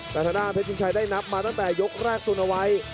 กระทะด้านเพชรชัยได้นับมาตั้งแต่ยกแรกสุนวัย